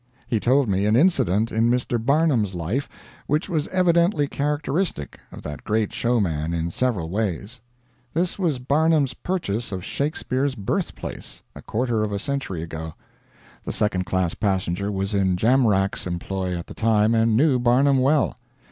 He told me an incident in Mr. Barnum's life which was evidently characteristic of that great showman in several ways: This was Barnum's purchase of Shakespeare's birthplace, a quarter of a century ago. The Second Class Passenger was in Jamrach's employ at the time and knew Barnum well.